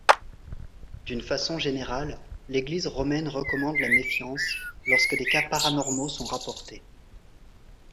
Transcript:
D'une façon générale, L'Église romaine recommande la méfiance lorsque des cas paranormaux sont rapportés.